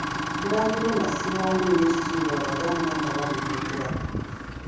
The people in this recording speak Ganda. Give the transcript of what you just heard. Omulangira ono assibwamu nnyo ekitiibwa Abaganda nga bamujjukira.